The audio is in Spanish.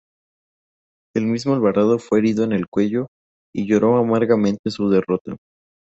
El mismo Alvarado fue herido en el cuello y lloró amargamente su derrota.